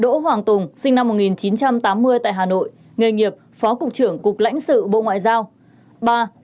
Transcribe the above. năm đỗ hoàng tùng sinh năm một nghìn chín trăm tám mươi tại hà nội nghề nghiệp phó cục trưởng cục lãnh sự bộ ngoại giao